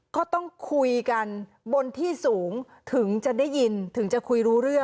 ก็ต้องคุยกันบนที่สูงถึงจะได้ยินถึงจะคุยรู้เรื่อง